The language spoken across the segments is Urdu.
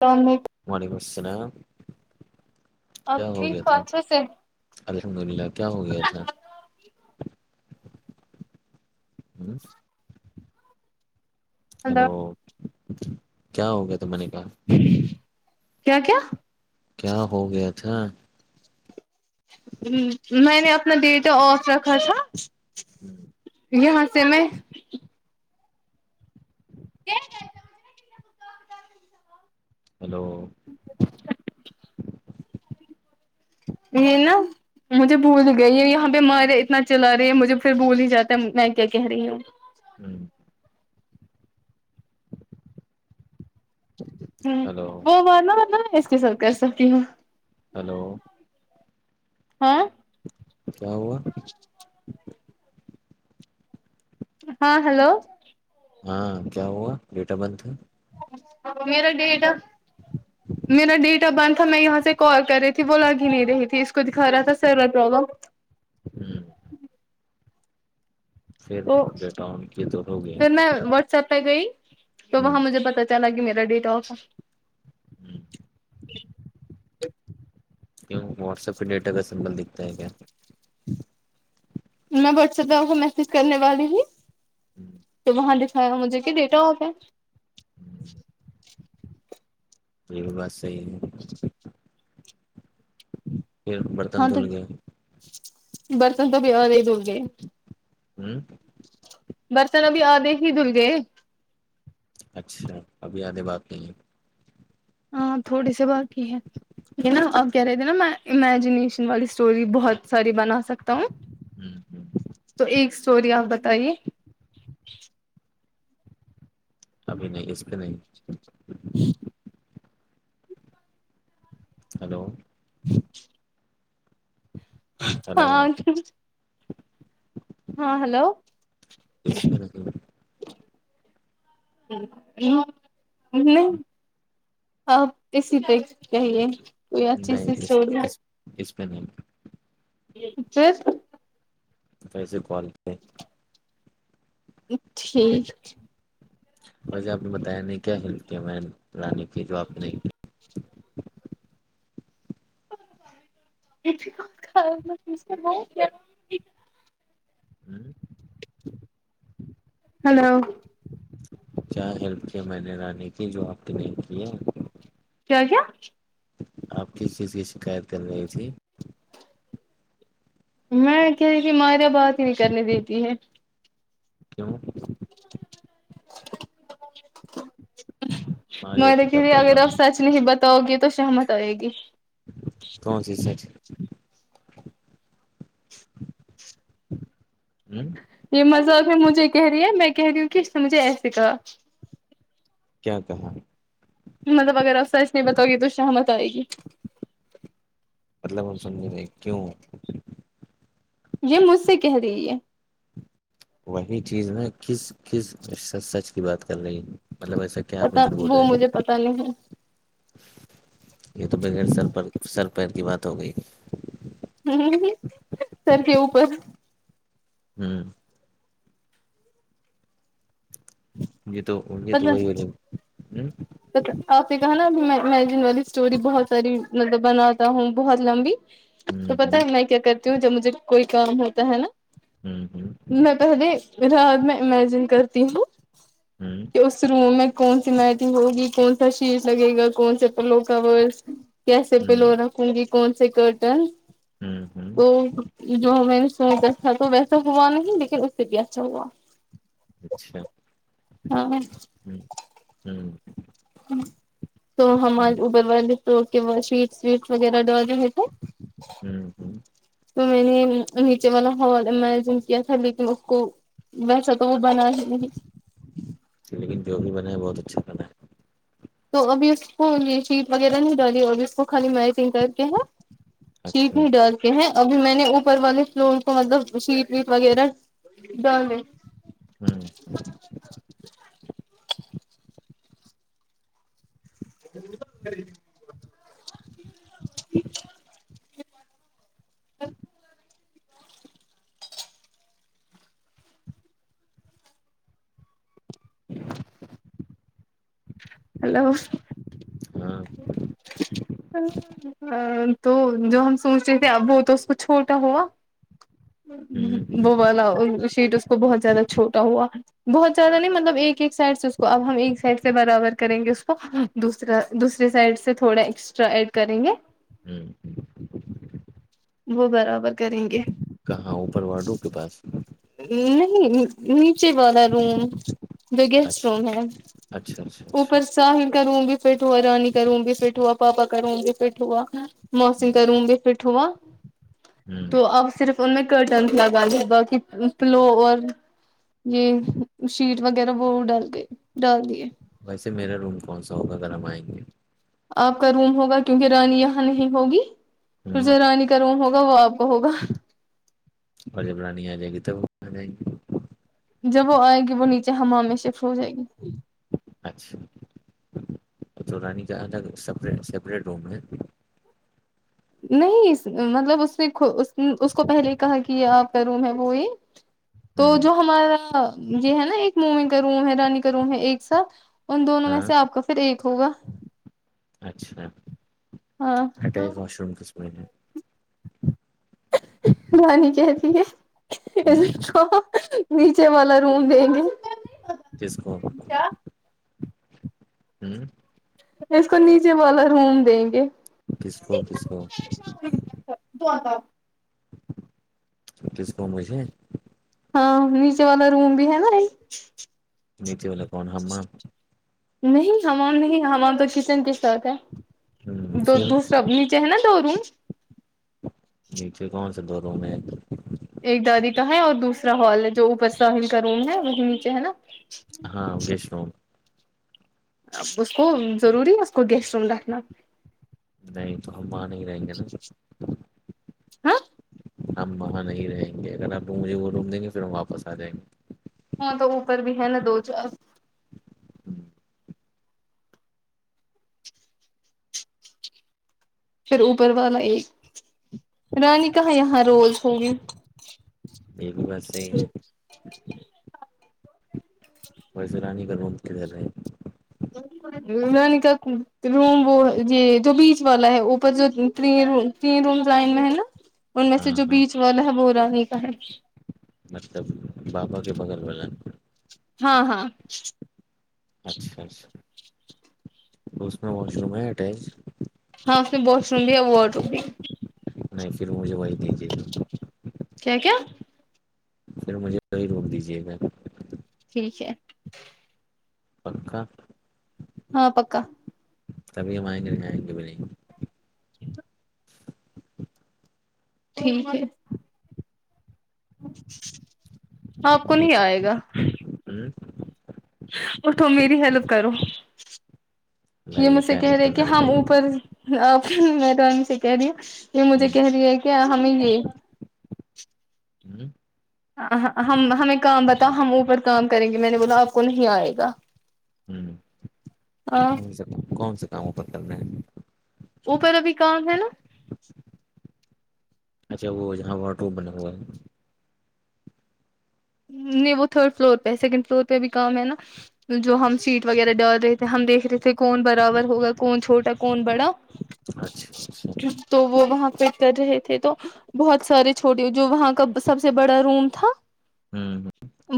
تو وعلیکم السلام آپ کیا ہو ٹھیک گیا تھا اچھے سے الحمد للہ کیا ہو گیا تھا [unintelligible] ہیلو ہلو کیا ہو گیا ت میں نے کہا کیا کیا کیا ہو گیا تھا میں نے اپنا ڈیٹا آف رکھا تھا ہوں یہاں سے میں ہیلو [inaudible] نہیں نا مجھے بھول گئی ہے یہاں بیہ مار اتنا چلا رہی ہے مجھے پھر بھول ہی جاتا ہے میں کیا کہہ رہی ہوں ہوں ہلو وہ ورنا ورن اس کے ساتھ کر سکتی ہوں ہیلو ہاں کیا ہوا ہاں ہلو ہاں کیا ہوا ڈیٹ آ برتھ ہے میرا ڈیٹ آ ہاں میرا ڈیٹ آف برتھ تھا میں یہاں سے کال کر رہی تھی وہ لگ ہی نہیں رہی تھی اس کو دکھا رہا تھا سر پرابلم ہوں پھر تو ڈیٹا آن کیے تو ہو گیا ہوں پھر میں واٹسپ پہ گئی تو ہوں وہاں مجھے پتا لگی میرا ڈیٹاک جی کیوں واٹسپ پہ ڈیٹا کا سمبل دکھتا ہے کیا میں واٹسپ پہ کو میسج کرنے والی ہوں ہوں تو وہاں دکھایا مجھے کہ بیٹا ہو کیا ہوں تو یہ بات صحیح ہے پھر برتن ہاں تو دھل گئے برتن تو بھیدے دورے ہوں برسن ابھی آدھے ہی دھل گئے اچھا ابھی آدے بات نہیں ہے ہاں تھوڑی سی باقی ہے یہ نا اب کہہ رہے تھے نا میں امیجنییشن والی اسٹوری بہت ساری بنا سکتا ہوں ہوں تو ایک اسٹوری آپ بتائیے [inaudible] ابھی نہیں اس پہ نہیں ہوں ہلو جی ہلو ہاں ہاں ہلو اس پہ نہیں نہیں آپ اسی طر چاہیے نہیں اس اس اس میں نہیں [inaudible] کیسے کوال ہیں ٹھیک ویسے آپ نے بتایا نہیں کیا ہلتے پرانی کی جو آپ نے نہیں کیا اوں ہلو کیا ہیلپ کیا میں نے رانی کی جو آپ کی نہیں کی ہے کیا کیا آپ کس چیز کی شکایت کر رہی تھی میں کہ ت مارے بات ہی نہیں کرنے دیتی ہے کیوں ہمارے میں کو کیا دیکی اگر پرابلم آپ ہے سچ نہیں بتاؤ گی تو سہمت آئے گی کون سی سر [inaudible] یہ مذاق میں مجھے کہہ رہی ہے میں کہہ رہی ہوں کہ اس نے مجھے ایسے کہا کیا کہ مطلب اگر ا سچ نہیں بتؤ گی تو سہمت آئے گی مطلب ہم سمجھیں گے کیوں یہ مجھ سے کہہ رہی ہے وہی چیز ن کس کس سچ کی بات کر رہی مطلب ایسا کیا آپ نے پتا جو بولا وہ ہے مجھے پتا نہیں ہے یہ تو بغیر سر پر سر پیر کی بات ہو گئی ہ سر کےے اوپر ہوں مے تو انے تو پتا وہی ب ہ آپ نے کہا نا اب مجن والی اسٹور بہت ساری مطلب بناتا ہوں بہت لمبی تو ہ ہ پت ہے میں کیا کرتی ہوں جب مجھے کوئی کام ہوتا ہے نا ہوں ہوں میں پہلے اھر بعد میں امیجن کرتی ہوں ہوں کہ اس روم میں کون سی میٹنگ ہوگی کون سا شیٹ لگے گا کون سے پلو کور کیسے ہوں پلو رکھوں گی کون سے کرٹن ہوں ہوں وہ جو میں نے سوچا تھا تو ویسا ہوا نہیں لیکن اس سے بھی اچھا ہوا اچھا ہاں ہوں ہوں تو ہوں ہمارے اوبر والے تو سویٹس ویٹس وغیرہ ڈوے ہوئے تھے ہوں ہوں تو میں نے نیچے بلا ہ امیجن کیا تھا لیکن اس کو ویسا تو وہ بنا ہی ج لیکن جو بھی بنا ہے بہت اچھا بنا ہے تو ابھی اس کو یہ شیٹ وغیرہ نہیں ڈالی ابھی اس کو خالی میچنگ کر کے ہے ہے ش اچھا بھی ڈر ہیں ابھی میں نے اوپر والے فلور کو مطلب شیٹ ویٹ وغیرہ ڈالے ہوں [unintelligible] ج ج ہلو ہاں ہاں تو جو ہم سوچ رہے تھے اب وہ تو اس کو چھوٹا ہوا ہوں ہوں وہ والا شیٹ اس کو بہت زیادہ چھوٹا ہوا بہت زیادہ نہیں مطلب ایک ایک سائڈ سے اس کو اب ہم ایک سائڈ سے برابر کریں گے اس کو دوسرا دوسرے سائڈ سے تھوڑا ایکسٹرا ایڈ کریں گے ہوں ہ وہ برابر کریں گے کہاں اوپر واڈو کے پاس نہیں نیچے والا روم بگیسٹ اچھا روم ہے اچھا اچھا اچھا اچھا اوپر ساحل کا روم بھی فٹ ہوا رانی کا روم بھی فٹ ہوا پاپا کا روم بھی فٹ ہوا موسم کا روم بھی فٹ ہوا ہاں تو اب صرف ان میں کرٹنس لگا لے باق پلو اور یہ شیٹ وغیرہ وہ ڈال گئے ڈال دیے ویسے میرا روم کون سا ہوگا اگر ہم آئیں گے آپ کا روم ہوگا کیونکہ رانی یہاں نہیں ہوگی ہوں پھر رانی کروں ہوگا وہ آپ ہوگا اور جب رانی آ جائے گی تب وہ آ جائیں گی جب وہ آئے گی وہ نیچے ہماام میں سےفو جائے گی اچھا تو رانی جاں تک سپری سپریٹ روم ہے نہیں مطلب اس نے اس کو پہلے ہی کہا کہ یہ آپ کا روم ہے وہ یہ تو ہوں جو ہمارا یہ ہے نا ایک موومنٹ کروں ہے رانی کروں ہے ایک ساتھ ان دونوں میں ہاں سے آپ کا پھر ایک ہوگا اچھا ہاں کٹ واش روم کسم ہے رانی کہتی ہے ہوں نیچے والا روم دیں گے جس کووں ہوں اس کو نیچے والا روم دیں گے کس کو کس کو توتاہ کس کمس ہاں نیچے والا روم بھی ہے نا یہ نیچے میں کون ہما نہیں ہمام نہیں ہم تو کسین ہوں، دو پھر دوسرا میچے ہے نا دورن نیچے کون سے دو ر میں ایک دادی کا ہے اور دوسرا ہال ہے جو اوپر سے کا روم ہے وہی نیچے ہے نا ہاں اگش ر اب اس کو ضروری ہے اس کو گیسٹ روم رکھنا نہیں تو ہم آ ہی رہیں گے نا [unintelligible] ہم وہاں نہیں رہیں گے اگر آپ مجھے وہ روم دیں گے پھر ہم واپس آ جائیں گے ہاں تو اوپر بھی ہے نا دو چار گے پھر اوپر والا ایک رانی کہا یہاں روز ہوگی یہ بھی بس سی ن اور سیرانی کرنا ممت رہے [unintelligible] نانی کا روم وہ یہ جو بیچ والا ہے اوپر جو ت روم تین رومزائن میں ہے نا ان میں سے ہاں جو ہاں بیچ والا ہے وہ ا رانی کا ہے مطلب بابا کے بغل والن ہاں ہاں اچھا اچھا تو اس میں واش روم ہے اٹیچ ہاں اس میں باش روم بھی ہے وا روم بھی نہیں پھر مجھے وہی دیجیے گا کیا کیا پھر مجھے توی روک دیجیے گا ٹھیک ہے پک ہاں پکا تبھی ہم آئیں گے نہیں آئیں گے بھی نہیں [unintelligible] ٹھیک ہے [inaudible] آپ ہم کو نہیں نیچے آئے گا [unintelligible] اور تم میری ہیلپ کرو یہ بتائیے مجھ سے کیا کہہ ہیلپ رہے کہ کرنا ہے ہم بتائیے اوپر آ م توانی سے کہہ رہی ہ یہ مجھے ہوں کہہ رہی ہے کہ ہمیں یہ ہوں ہم ہمیں کام بتا ہم اوپر کام کریں گے میں نے بولا آپ کو نہیں آئے گا ہوں ہاں کون سے کون سے کاموں پر کر رہے ہیں اوپر ا بھی کام ہے نا اچھا وہ جہاں ورٹو بنا ہوا ہے نہیں وہ تھرڈ فلور پہ سیکنڈ فلور پہ بھی کام ہے نا جو ہم سیٹ وغیرہ ڈال رہے تھے ہم دیکھ رہے تھے کون برابر ہوگا کون چھوٹا کون بڑا اچھا اچھا تو وہ وہاں پ کر رہے تھے تو بہت سارے چھوٹے جو وہاں کا سب سے بڑا روم تھا ہوں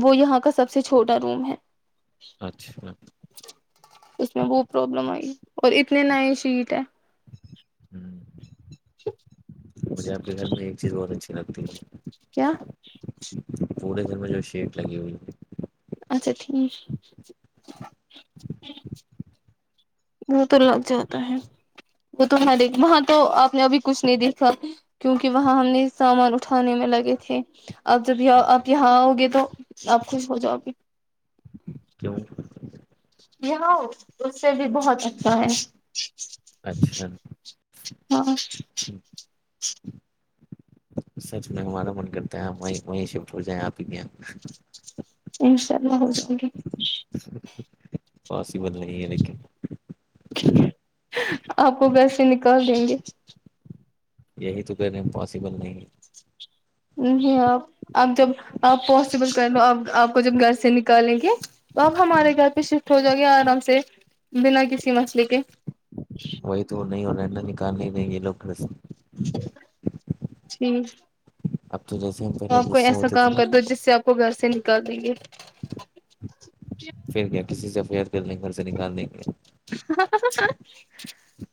وہ یہاں کا سب سے چھوٹا روم ہے اچھا اس میں وہ پرابلم آئی اور اتنے نئے شیٹ ہے ہوں [inaudible] مجھے اپ کے گھر میں ایک چیز بہت اچھی لگتی ہے کیا پورورے دن میں جو شیٹ لگی ہوئی اچھا ٹھیک [inaudible] وہ تو لگ جاتا ہے وہ تو دیک وہاں تو آپ نے ابھی کچھ نہیں دیکھا کیونکہ وہاں ہم نے سامان اٹھانے میں لگے تھے آپ جب آپ یہاں آؤ گے تو آپ خوش ہو جاؤ گے کیوں اس سے بھی بہت اچھا ہے اچھا ہاں سچ میں ہمارا من کرتا ہے وہیں وہیں شفٹ ہو جائےیں آپ ہی کیا انشاء اللہ ہو جائے گے پاسبل نہیں ہے لیکن آپ وہ ویسے نکال دیں گے یہی تو کہنے ام پاسبل نہیں جی آپ آپ جب آپ پوسیبل کر لو آپ آپ کو جب گھر سے نکالیں گے تو آپ ہے ہمارے گھر پہ شفٹ ہو جاؤ گے آرام سے بنا کسی مسلے کے وہی تو نہیں ہو رہانا نکال ہی نہیں یہ لوگ کرے سے جٹی آب ر پا گ کام ہو کر دو جس سے آپ کو گھر سے نکال دیں گے پھر کیا کسی سے فیئر کر لیں گ گھر سے نکال دیں گے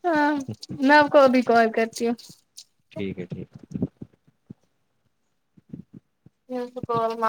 ہاں نو کوب کو کرتی ہوں ٹھیک ہے ٹھیک ہے نیس کوول م